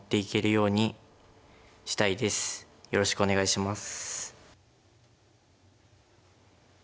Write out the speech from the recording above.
よろしくお願いします。